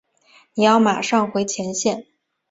你要马上回前线。